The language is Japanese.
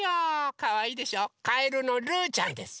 かわいいでしょかえるのルーちゃんです。